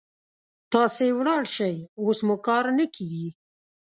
تاسې ولاړ شئ، اوس مو کار نه کيږي.